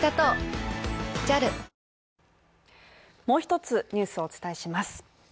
もう一つニュースをお伝えします。